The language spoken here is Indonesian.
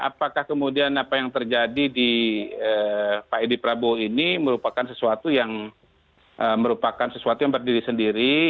apakah kemudian apa yang terjadi di pak edi prabowo ini merupakan sesuatu yang merupakan sesuatu yang berdiri sendiri